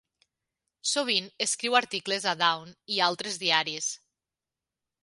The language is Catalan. Sovint escriu articles a "Dawn" i altres diaris.